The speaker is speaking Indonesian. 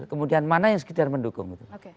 kemudian mana yang sekedar mendukung itu